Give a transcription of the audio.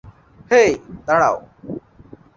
হেই, দাঁড়াও।